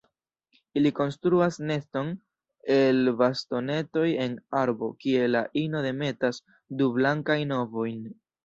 Ili konstruas neston el bastonetoj en arbo kie la ino demetas du blankajn ovojn.